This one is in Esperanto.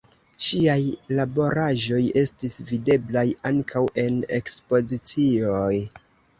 Ŝiaj laboraĵoj estis videblaj ankaŭ en ekspozicioj.